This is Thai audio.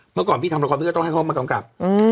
เมื่อก่อนพี่ทำละครพี่ก็ต้องให้เขามากำกับ